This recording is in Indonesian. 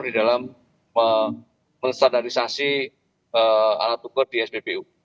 di dalam melestadarisasi alat ukur di spk